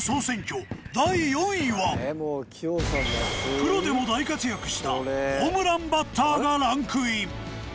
プロでも大活躍したホームランバッターがランクイン。